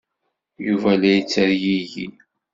Yuba la yettergigi.